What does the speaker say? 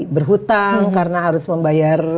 berhutang karena harus membayar